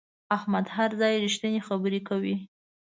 احمد هر ځای رښتینې خبره کوي.